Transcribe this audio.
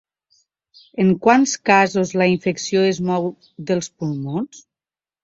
En quants casos la infecció es mou dels pulmons?